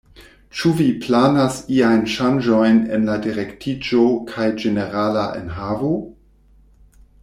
Ĉu vi planas iajn ŝanĝojn en la direktiĝo kaj ĝenerala enhavo?